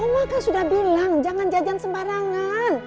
semua kan sudah bilang jangan jajan sembarangan